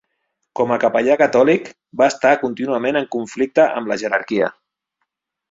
Com a capellà catòlic, va estar contínuament en conflicte amb la jerarquia.